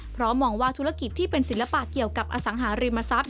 เพราะมองว่าธุรกิจที่เป็นศิลปะเกี่ยวกับอสังหาริมทรัพย